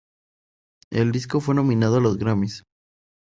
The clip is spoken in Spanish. El disco fue nominado a los Grammys.